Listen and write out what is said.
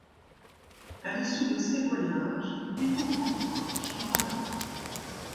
À l'issue de ces voyages, il découvre enfin Shambala.